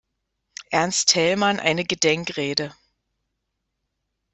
Ernst Thälmann eine Gedenkrede.